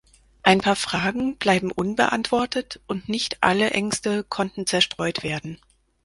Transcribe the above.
Ein paar Fragen bleiben unbeantwortet, und nicht alle Ängste konnten zerstreut werden.